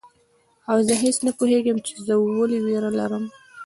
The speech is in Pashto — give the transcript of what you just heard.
او زه هیڅ نه پوهیږم چي زه ولي ویره لرم